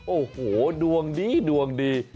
โอ้โหดวงดี